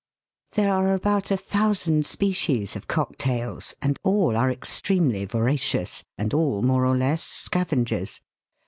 There are about a thousand species of Cock tails, and all are extremely voracious, and all, more or less, scavengers.